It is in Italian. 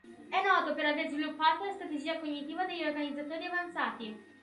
È noto per avere sviluppato la strategia cognitiva degli "organizzatori avanzati".